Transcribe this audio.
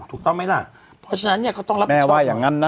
ถูกต้องไหมล่ะเพราะฉะนั้นเนี่ยเขาต้องรับแม่ว่ายังงั้นนะ